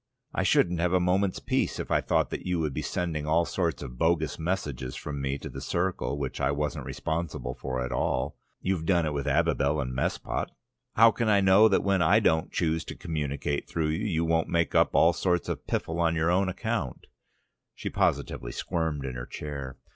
"I shouldn't have a moment's peace if I thought that you would be sending all sorts of bogus messages from me to the circle, which I wasn't responsible for at all. You've done it with Abibel and Mespot. How can I know that when I don't choose to communicate through you, you won't make up all sorts of piffle on your own account?" She positively squirmed in her chair.